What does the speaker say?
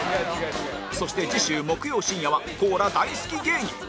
そして次週木曜深夜はコーラ大好き芸人